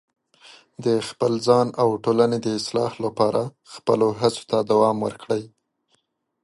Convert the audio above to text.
د خپل ځان او ټولنې د اصلاح لپاره خپلو هڅو ته دوام ورکړئ.